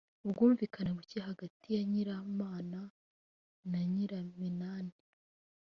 ubwumvikana buke hagati ya nyiramana na nyiraminani.